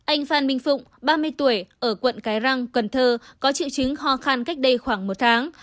anh phan minh phụng ba mươi tuổi ở quận cái răng cần thơ có triệu chứng ho khan cách đây khoảng một tháng